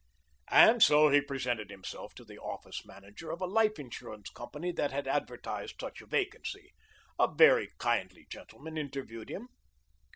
And so he presented himself to the office manager of a life insurance company that had advertised such a vacancy. A very kindly gentleman interviewed him.